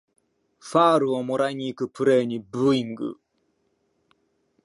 ファールをもらいにいくプレイにブーイング